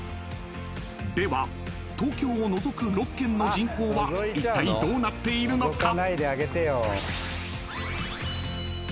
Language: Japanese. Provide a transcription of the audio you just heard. ［では東京を除く６県の人口はいったいどうなっているのか？］